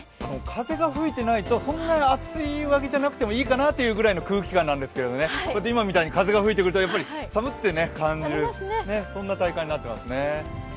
風が吹いてないとそんなに厚い上着じゃなくてもいいかなという空気感なんですが今みたいに風が吹いてくると寒って感じる体感になっていますね。